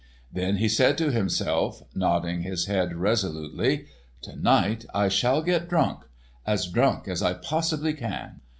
Then he said to himself, nodding his head resolutely: "To night I shall get drunk—as drunk as I possibly can.